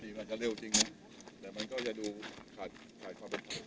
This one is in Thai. อาจจะเร็วจริงนะแต่มันก็จะดูขาดขาดความเป็นธรรม